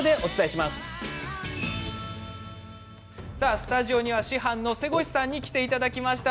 スタジオには師範の瀬越さんに来ていただきました。